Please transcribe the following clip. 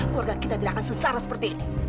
keluarga kita tidak akan sesara seperti ini